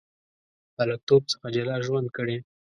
هلکتوب څخه جلا ژوند کړی.